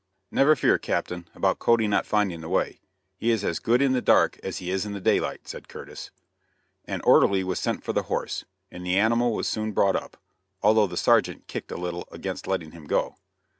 "Never fear, Captain, about Cody not finding the way; he is as good in the dark as he is in the daylight," said Curtis. An orderly was sent for the horse, and the animal was soon brought up, although the sergeant "kicked" a little against letting him go.